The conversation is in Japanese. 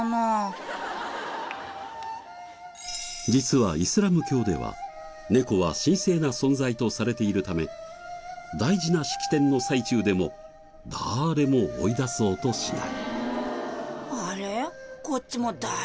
実はイスラム教では猫は神聖な存在とされているため大事な式典の最中でも誰も追い出そうとしない。